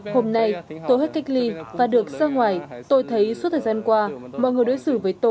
hôm nay tôi hết cách ly và được xa ngoài tôi thấy suốt thời gian qua mọi người đối xử với tôi rất tốt